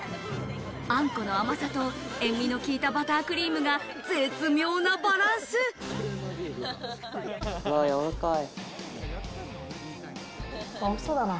あんこの甘さと塩味の効いたバタークリームが絶妙うわ、やわらかい。